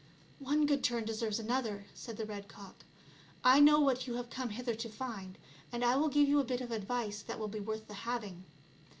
" One good turn deserves another," said the red cock. " I know what you have come hither to find, and I will give you a bit of advice that will be worth the having.